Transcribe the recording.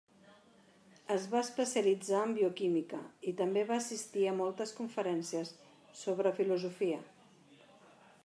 Es va especialitzar en bioquímica, i també va assistir a moltes conferències sobre filosofia.